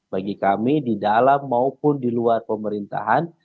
bagi kami di dalam maupun di luar pemerintahan